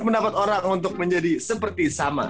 mendapat orang untuk menjadi seperti sama